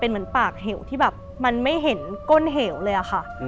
เป็นเหมือนปากเหี่ยวที่แบบมันไม่เห็นก้นเหี่ยวเลยอ่ะค่ะ